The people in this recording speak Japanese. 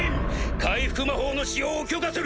回復魔法の使用を許可する！